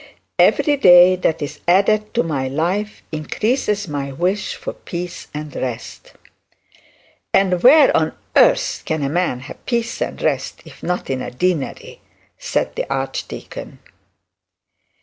Every day that is added to my life increases my wish for peace and rest.' 'And where on earth can a man have peace and rest if not in a deanery?' said the archdeacon.